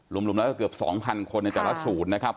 รวมแล้วก็เกือบ๒๐๐คนในแต่ละศูนย์นะครับ